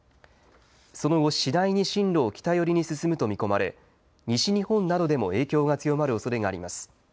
その後、次第に進路を北寄りに進むと見込まれ西日本などでも影響が強まるおそれがあります。